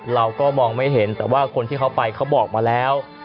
เราก็มองไม่เห็นแต่ว่าคนที่เขาไปเขาบอกมาแล้ว